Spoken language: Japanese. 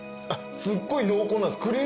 すっごい濃厚なんです。